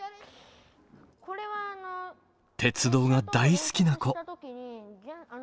鉄道が大好きな子。